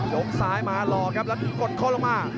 กซ้ายมาหลอกครับแล้วกดข้อลงมา